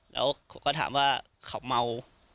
แล้วเขาก็ถามว่าเขาเมา